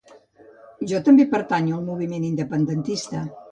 Jo també pertanyo al moviment independentista